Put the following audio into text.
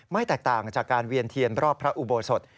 แตกต่างจากการเวียนเทียนรอบพระอุโบสถ